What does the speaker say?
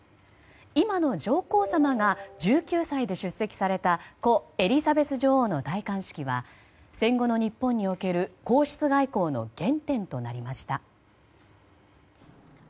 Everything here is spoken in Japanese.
今の上皇さまが１９歳で出席された故エリザベス女王の戴冠式は戦後の日本における皇室外交の原点となりました。